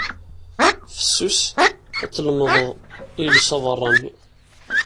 Fessus ad tlemdeḍ iles abeṛṛani.